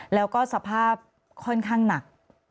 แล้วก็สภาพค่อนข้างหนัก